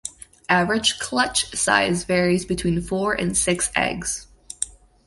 Average clutch size varies between four and six eggs.